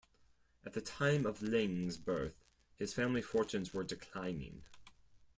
At the time of Ling's birth, his family fortunes were declining.